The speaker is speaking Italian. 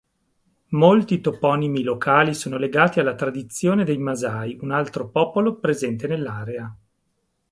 Molti toponimi locali sono legati alla tradizione dei Masai, un altro popolo presente nell'area.